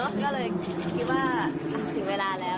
ก็เลยคิดว่าถึงเวลาแล้ว